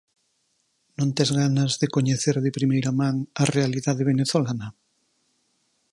Non tes ganas de coñecer de primeira man a realidade venezolana?